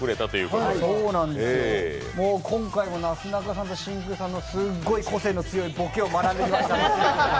今回もなすなかさんと真空さんのすごいクセの強いボケを学ばせていただきました。